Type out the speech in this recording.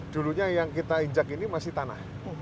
dulunya yang kita injak ini masih tanah